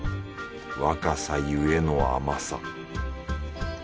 若さゆえの甘さ。